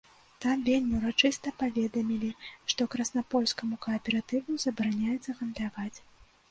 Там вельмі ўрачыста паведамілі, што краснапольскаму кааператыву забараняецца гандляваць.